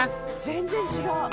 全然違う。